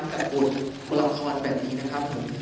แบบโบราคอนแบบนี้นะครับผม